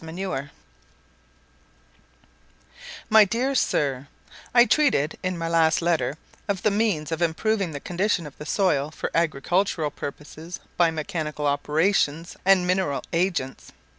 LETTER XIV My dear Sir, I treated, in my last letter, of the means of improving the condition of the soil for agricultural purposes by mechanical operations and mineral agents.